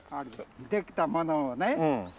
できたものをね